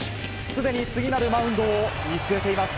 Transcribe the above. すでに次なるマウンドを見据えています。